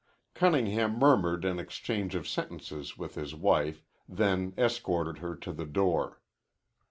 Cunningham murmured an exchange of sentences with his wife, then escorted her to the door.